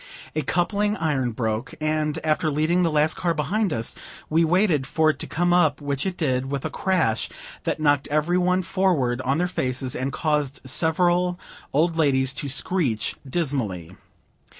A coupling iron broke; and, after leaving the last car behind us, we waited for it to come up, which it did, with a crash that knocked every one forward on their faces, and caused several old ladies to screech dismally.